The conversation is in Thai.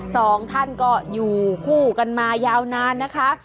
สองท่านก็อยู่คู่กันมายาวนานนะคะ